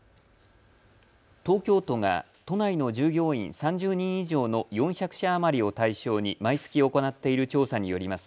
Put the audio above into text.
東京都が都内の従業員３０人以上の４００社余りを対象に毎月行っている調査によります